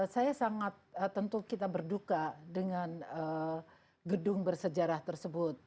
saya sangat tentu kita berduka dengan gedung bersejarah tersebut